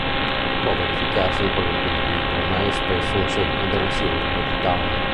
Può verificarsi in qualunque individuo, ma è spesso un segno della sindrome di Down.